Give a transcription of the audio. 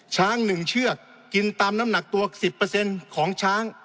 ช้าง๑เชือกกินตามน้ำหนักตัว๑๐ของช้าง